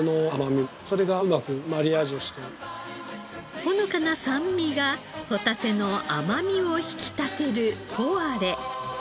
ほのかな酸味がホタテの甘みを引き立てるポワレ。